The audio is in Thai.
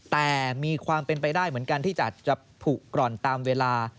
แต่มีความเป็นไปได้เหมือนกันที่จะผูกร่อนตามเวลา